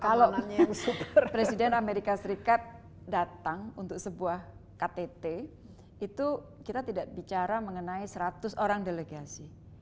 kalau presiden amerika serikat datang untuk sebuah ktt itu kita tidak bicara mengenai seratus orang delegasi